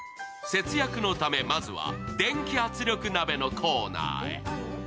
節約のため、まずは電気圧力鍋のコーナーへ。